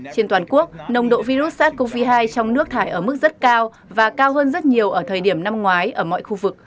trên toàn quốc nồng độ virus sars cov hai trong nước thải ở mức rất cao và cao hơn rất nhiều ở thời điểm năm ngoái ở mọi khu vực